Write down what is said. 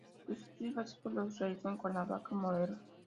Sus estudios básicos los realizó en Cuernavaca, Morelos.